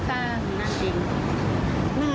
ก่อนปีหลัง